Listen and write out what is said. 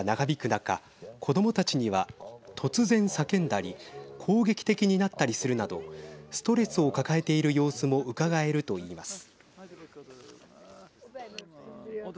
中子どもたちには突然叫んだり攻撃的になったりするなどストレスを抱えている様子もうかがえると言います。